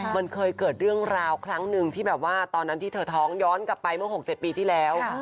มันเคยเกิดเรื่องราวครั้งหนึ่งที่แบบว่าตอนนั้นที่เธอท้องย้อนกลับไปเมื่อ๖๗ปีที่แล้ว